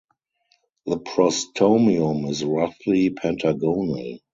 The prostomium is roughly pentagonal.